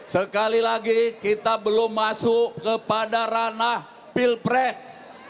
sekali lagi kita belum masuk kepada ranah pilpres